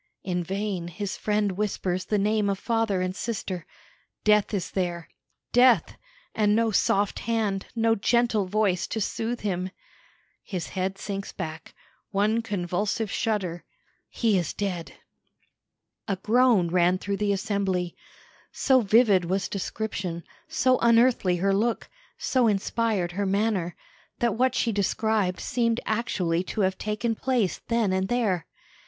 In vain his friend whispers the name of father and sister death is there. Death and no soft hand, no gentle voice to soothe him. His head sinks back; one convulsive shudder he is dead!" A groan ran through the assembly. So vivid was description, so unearthly her look, so inspired her manner, that what she described seemed actually to have taken place then and there.